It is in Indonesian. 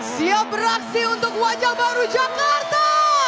siap beraksi untuk wajah baru jakarta